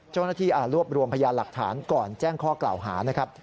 เจ้าหน้าที่อ่านรวบรวมพยานหลักฐานก่อนแจ้งข้อกล่าวหานะครับ